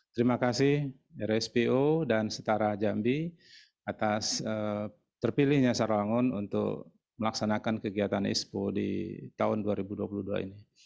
terima kasih rspo dan setara jambi atas terpilihnya sarawangun untuk melaksanakan kegiatan ispo di tahun dua ribu dua puluh dua ini